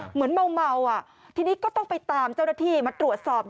เหมือนเมาทีนี้ก็ต้องไปตามเจ้าหน้าที่มาตรวจสอบ